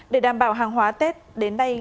để đảm bảo hàng hóa tết đến đây